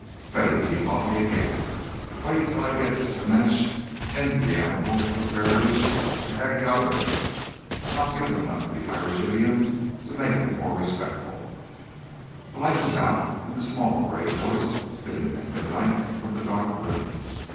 "Faith, he's caught me again! Wait till I get the sassenach into the annals of Tageruach, the hagiographer; I'll give him enough of the Irish idiom to make him more respectful." The light was out, and the small, brave voice bidding them good night from the dark room.